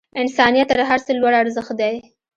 انسانیت تر هر څه لوړ ارزښت دی.